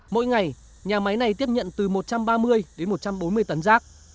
mỗi ngày nhà máy này tiếp nhận từ một trăm ba mươi đến một trăm bốn mươi tấn rác